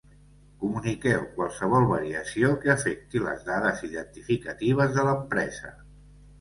Comuniqueu qualsevol variació que afecti les dades identificatives de l'empresa.